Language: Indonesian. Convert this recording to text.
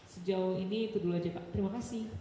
sejauh ini itu dulu aja pak terima kasih